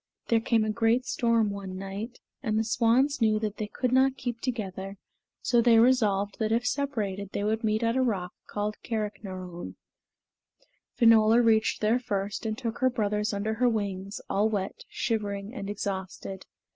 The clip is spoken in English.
There came a great storm one night, and the swans knew that they could not keep together, so they resolved that if separated they would meet at a rock called Carricknarone. Finola reached there first, and took her brothers under her wings, all wet, shivering, and exhausted.